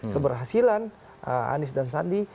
keberhasilan anies dan sandi